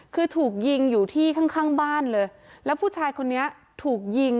คือถูกยิงอยู่ที่ข้างข้างบ้านเลยแล้วผู้ชายคนนี้ถูกยิง